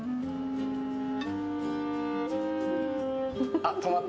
あっ、止まった。